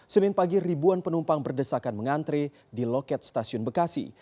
senin pagi ribuan penumpang berdesakan mengantre di loket stasiun bekasi